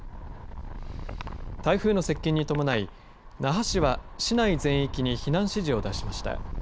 台風の接近に伴い那覇市は市内全域に避難指示を出しました。